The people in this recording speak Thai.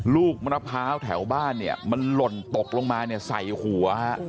ลูกมระพร้าวแถวบ้านมันหล่นตกลงมาใส่หัว